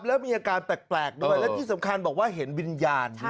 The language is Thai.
แล้วมีอาการแปลกด้วยและที่สำคัญบอกว่าเห็นวิญญาณ